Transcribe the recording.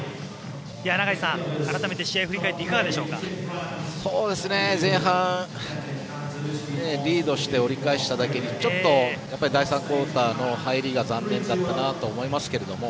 永井さん、改めて試合振り返って前半、リードして折り返しただけにちょっと、第３クオーターの入りが残念だったなと思いますけど。